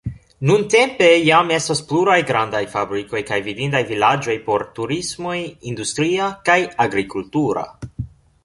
Nuntempe jam estas pluraj grandaj fabrikoj kaj vidindaj vilaĝoj por turismoj industria kaj agrikultura.